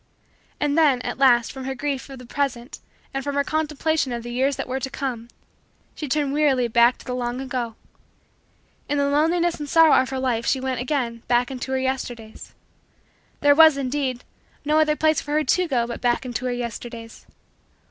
And then, at last, from her grief of the present and from her contemplation of the years that were to come, she turned wearily back to the long ago. In the loneliness and sorrow of her life she went, again, hack into her Yesterdays. There was, indeed, no other place for her to go but back into her Yesterdays.